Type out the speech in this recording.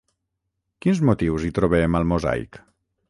Quins motius hi trobem al mosaic?